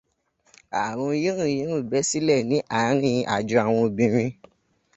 Àrùn yínrùnyínrùn bẹ́ sílẹ́ ní àárín àjọ àwọn obìnrin